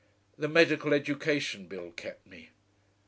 "The Medical Education Bill kept me."...